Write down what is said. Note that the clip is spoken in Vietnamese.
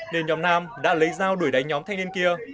nên nhóm nam đã lấy dao đuổi đánh nhóm thanh niên kia